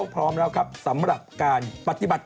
พร้อมแล้วครับสำหรับการปฏิบัติ